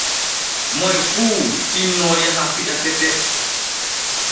Moy fuu tinno yaha fiɗa tete.